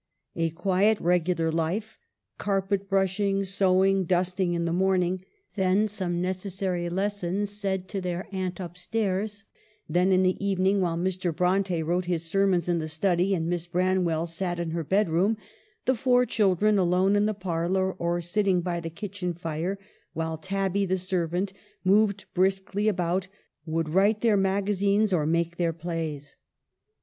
A quiet regular life — carpet brushing, sew ing, dusting in the morning. Then some neces sary lessons said to their aunt up stairs ; then, in the evening, while Mr. Bronte wrote his sermons in the study and Miss Bran well sat in her bed room, the four children, alone in the parlor, or sitting by the kitchen fire, while Tabby, the ser vant, moved briskly about, would write their magazines or make their plays.